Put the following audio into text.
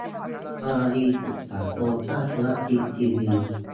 กรณีศึกษาโครงสร้างธุรกิจทีวี